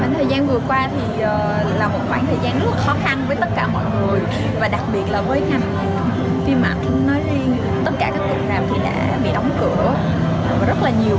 thời gian vừa qua là một khoảng thời gian rất khó khăn với tất cả mọi người